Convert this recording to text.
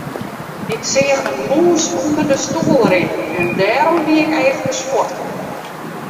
Ik seach in mûs ûnder de stoel rinnen en dêrom wie ik efkes fuort.